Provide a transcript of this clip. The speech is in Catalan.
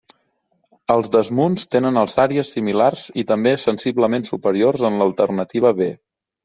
Els desmunts tenen alçàries similars i també sensiblement superiors en l'alternativa B.